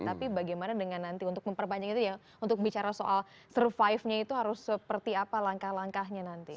tapi bagaimana dengan nanti untuk memperpanjang itu ya untuk bicara soal survive nya itu harus seperti apa langkah langkahnya nanti